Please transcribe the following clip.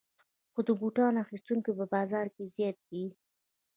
خو د بوټانو اخیستونکي په بازار کې زیات دي